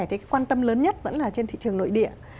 cái quan tâm lớn nhất vẫn là trên thị trường nội địa